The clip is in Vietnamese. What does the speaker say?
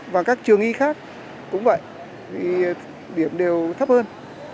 và các trường y khác cũng vậy điểm đều thấp hơn